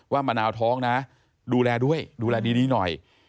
มะนาวท้องนะดูแลด้วยดูแลดีหน่อย